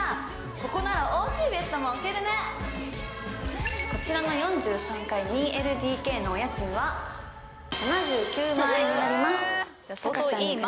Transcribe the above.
ここなら大きいベッドも置けるねこちらの４３階２ＬＤＫのお家賃は７９万円になります